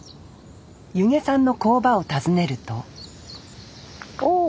弓削さんの工場を訪ねるとお。